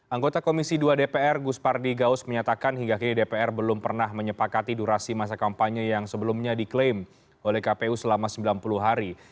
anggota komisi dua dpr gus pardi gaus menyatakan hingga kini dpr belum pernah menyepakati durasi masa kampanye yang sebelumnya diklaim oleh kpu selama sembilan puluh hari